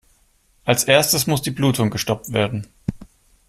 Als Erstes muss die Blutung gestoppt werden.